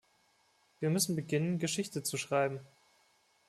Wir müssen beginnen, Geschichte zu schreiben.